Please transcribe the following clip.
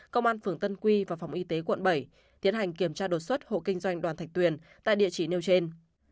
công an phường tân quy và phòng y tế quận bảy tiến hành kiểm tra đột xuất hộ kinh doanh đoàn thạch tuyền tại địa chỉ nêu trên